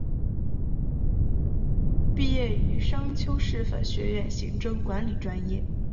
毕业于商丘师范学院行政管理专业。